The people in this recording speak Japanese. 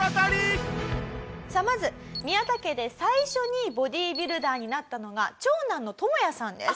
さあまずミヤタ家で最初にボディビルダーになったのが長男のトモヤさんです。